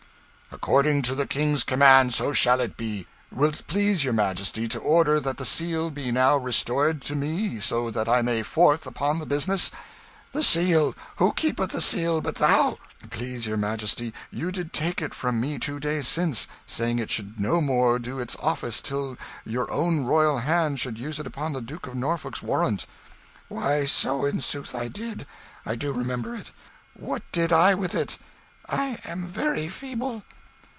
"According to the King's command, so shall it be. Will't please your majesty to order that the Seal be now restored to me, so that I may forth upon the business?" "The Seal? Who keepeth the Seal but thou?" "Please your majesty, you did take it from me two days since, saying it should no more do its office till your own royal hand should use it upon the Duke of Norfolk's warrant." "Why, so in sooth I did: I do remember. ... What did I with it?... I am very feeble.